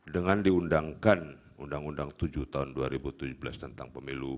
dengan diundangkan undang undang tujuh tahun dua ribu tujuh belas tentang pemilu